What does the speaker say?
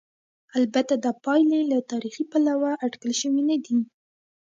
البته دا پایلې له تاریخي پلوه اټکل شوې نه دي.